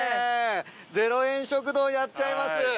０円食堂やっちゃいます！